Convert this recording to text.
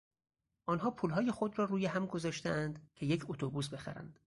آنها پولهای خود را رویهم گذاشتهاند که یک اتوبوس بخرند.